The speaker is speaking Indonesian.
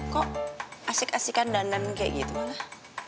kok asik asikan andan kayak gitu malah